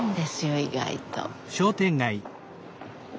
意外と。